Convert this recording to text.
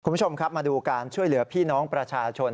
คุณผู้ชมครับมาดูการช่วยเหลือพี่น้องประชาชน